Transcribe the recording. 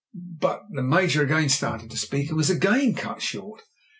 "But " the Major again started to speak, and was again cut short.